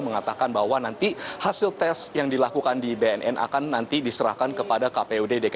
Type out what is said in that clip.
mengatakan bahwa nanti hasil tes yang dilakukan di bnn akan nanti diserahkan kepada kpud dki jakarta